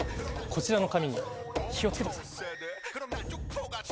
こちらの紙に火を付けてください。